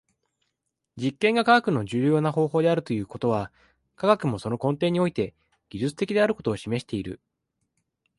実験が科学の重要な方法であるということは、科学もその根底において技術的であることを示している。